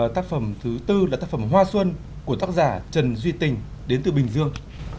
tác phẩm thứ tư là tác phẩm hoa xuân của tác giả trần duy tình đến từ bình dương